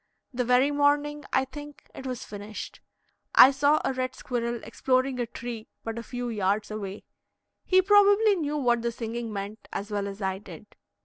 The very morning, I think, it was finished, I saw a red squirrel exploring a tree but a few yards away; he probably knew what the singing meant as well as I did.